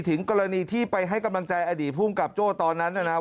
ถึงกรณีที่ไปให้กำลังใจอดีตภูมิกับโจ้ตอนนั้นนะครับ